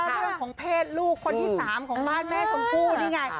เรื่องของเพศลูกคนที่๓ของบ้านแม่ชมพู่นี่ไง